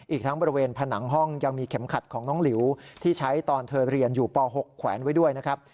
อีกทั้งบริเวณผนังห้องยังมีเข็มขัดของน้องหลิวที่ใช้ตอนเธอเรียนอยู่ป๖แขวนไว้ด้วยนะครับ